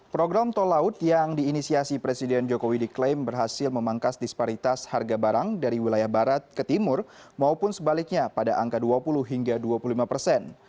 program tol laut yang diinisiasi presiden jokowi diklaim berhasil memangkas disparitas harga barang dari wilayah barat ke timur maupun sebaliknya pada angka dua puluh hingga dua puluh lima persen